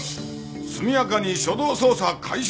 速やかに初動捜査開始！